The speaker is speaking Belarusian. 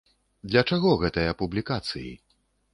Для чаго гэтыя публікацыі?